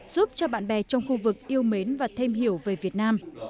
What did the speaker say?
giúp cho bạn bè trong khu vực yêu mến và thêm hiểu về việt nam